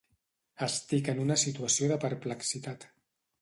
Estic en una situació de perplexitat.